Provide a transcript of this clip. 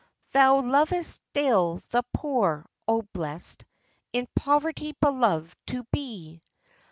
Thou lovest still the poor, — oh, blest In poverty beloved to be